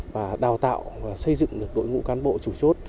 và đào tạo và xây dựng được đội ngũ cán bộ chủ chốt